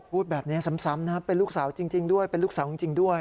พูดแบบนี้ซ้ำนะครับเป็นลูกสาวจริงด้วยเป็นลูกสาวจริงด้วย